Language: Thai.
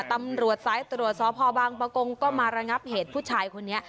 ตำรวจสายตรวจสพบางประกงก็มาระงับเหตุผู้ชายคนนี้